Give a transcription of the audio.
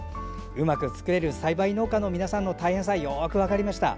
うまく作れる栽培農家の皆さんの大変さがよく分かりました。